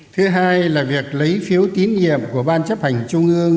thứ hai là việc lấy phiếu tín nhiệm của ban chấp hành trung ương